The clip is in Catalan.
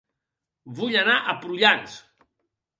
Vull anar a Prullans